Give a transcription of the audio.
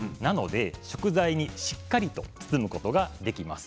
食材にしっかりと包むことができます。